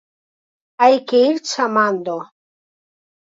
Hai que ir chamando.